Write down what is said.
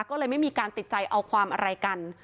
ก็เลยไม่มีการติดใจเอาความอะไรกัน